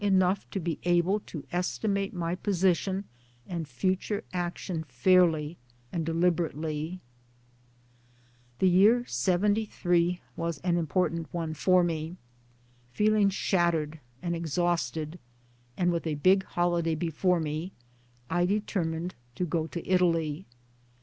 enough to be able to estimate my position and future action fairly and deliberately. The year '73 was an important one for me. Feel ing shattered and exhausted, and with a big holiday before me, I determined to go to Italy.